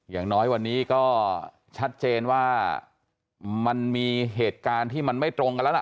อย่างน้อยวันนี้ก็ชัดเจนว่ามันมีเหตุการณ์ที่มันไม่ตรงกันแล้วล่ะ